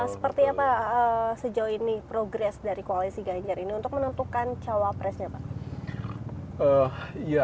seperti apa sejauh ini progres dari koalisi ganjar ini untuk menentukan cawapresnya pak